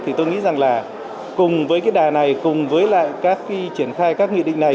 thì tôi nghĩ rằng là cùng với cái đà này cùng với lại các triển khai các nghị định này